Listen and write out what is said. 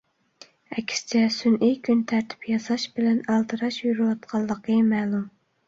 ئەكسىچە سۈنئىي كۈن تەرتىپ ياساش بىلەن ئالدىراش يۈرۈۋاتقانلىقى مەلۇم.